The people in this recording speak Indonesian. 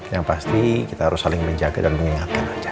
yang pasti kita harus saling menjaga dan mengingatkan saja